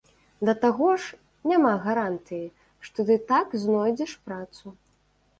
Да таго ж, няма гарантыі, што ты так знойдзеш працу.